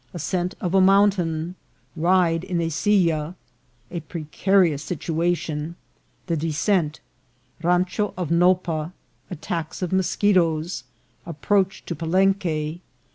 — Ascent of a Mountain.— Ride in a Silla.— A precarious Situa tion.— The Descent.— Rancho of Nopa.— Attacks of Moschetoes. — Approach to Palenque.